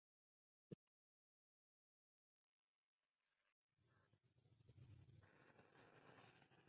The Bearcats repeated as Buckeye Athletic Association champions.